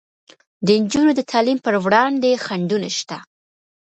د نجونو د تعلیم پر وړاندې خنډونه شته.